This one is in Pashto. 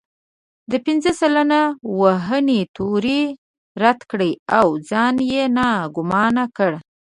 د پنځه سلنه وهنې تور يې رد کړ او ځان يې ناګومانه کړ.